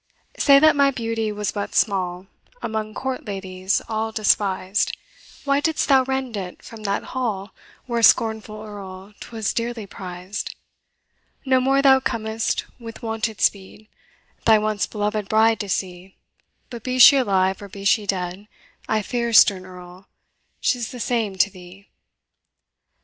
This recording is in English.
Say that my beauty was but small, Among court ladies all despised, Why didst thou rend it from that hall Where, scornful Earl, 'twas dearly prized? No more thou com'st with wonted speed, Thy once beloved bride to see; But be she alive, or be she dead, I fear, stern Earl, 's the same to thee.